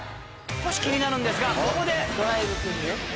少し気になるんですがここで。